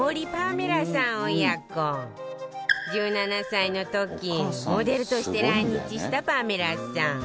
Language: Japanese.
１７歳の時モデルとして来日したパメラさん